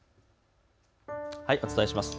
お伝えします。